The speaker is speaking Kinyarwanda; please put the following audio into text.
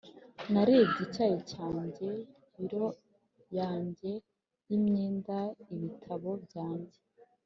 narebye icyayi cyanjye, biro yanjye yimyenda, ibitabo byanjye